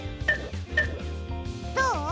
どう？